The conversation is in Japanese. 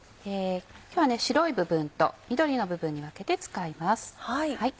今日は白い部分と緑の部分に分けて使います。